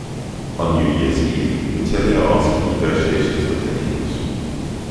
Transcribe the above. On New Year's Eve, Boutellier asked for negotiations with the English.